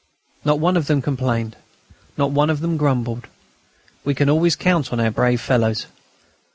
Not one of them complained; not one of them grumbled. We can always count on our brave fellows.